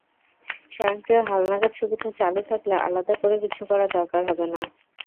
স্বয়ংক্রিয় হালনাগাদ সুবিধা চালু থাকলে আলাদা করে কিছু করার দরকার হবে না।